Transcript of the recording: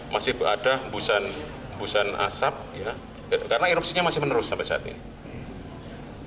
masih ada hembusan asap karena erupsinya masih menerus sampai saat ini